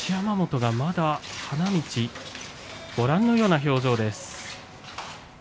一山本が花道ご覧のような表情です。